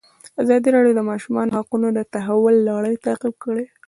ازادي راډیو د د ماشومانو حقونه د تحول لړۍ تعقیب کړې.